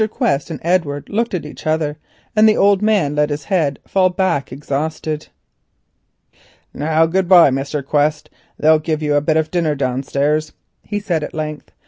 Quest and Edward looked at each other, and the old man let his head fall back exhausted. "Now good bye, Mr. Quest, they'll give you a bit of dinner downstairs," he said at length.